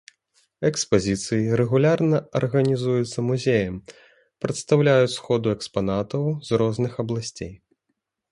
Экспазіцыі, рэгулярна арганізуюцца музеем, прадстаўляюць сходу экспанатаў з розных абласцей.